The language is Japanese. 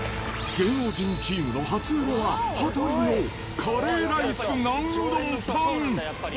芸能人チームの初売れは、羽鳥のカレーライスナンうどんパン。